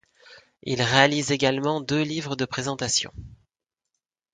Il réalise également deux livres de présentations.